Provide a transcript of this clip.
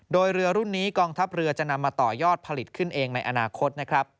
โดยเรือรุ่นนี้กองทัพเรือจะนำมาต่อยอดผลิตขึ้นเองในอนาคตนะครับ